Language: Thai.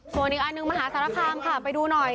ส่วนอีกอันหนึ่งมหาสารคามค่ะไปดูหน่อย